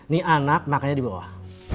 nih anak makanya di bawah